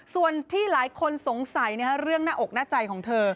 ส่วนที่หลายคนสงสัยเรื่องหน้าอกหน้าใจของเธอ